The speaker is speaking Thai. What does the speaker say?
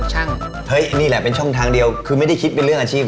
เฮ้ยนี่แหละเป็นช่องทางเดียวคือไม่ได้คิดเป็นเรื่องอาชีพ